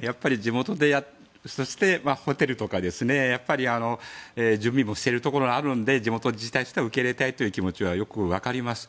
やっぱり地元でやってそしてホテルとか準備もしているところがあるので地元自治体の人は受け入れたい気持ちがあるのはよくわかります。